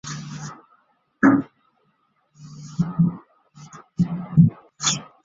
此故事促成释证严日后创办慈济功德会与慈济医院的动机。